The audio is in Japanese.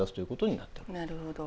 なるほど。